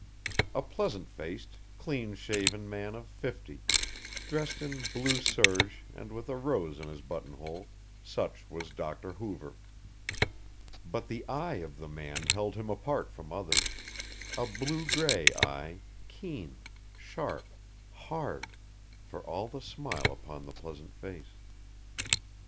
A pleasant faced, clean shaven man of fifty, dressed in blue serge and with a rose in his button hole, such was Doctor Hoover. But the eye of the man held him apart from others; a blue grey eye, keen, sharp, hard, for all the smile upon the pleasant face.